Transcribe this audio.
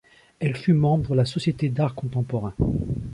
Elle fut membre de la Société d'art contemporain.